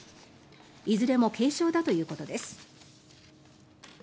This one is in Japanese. いずれも軽傷だということです。